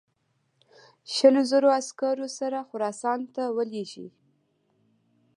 شلو زرو عسکرو سره خراسان ته ولېږي.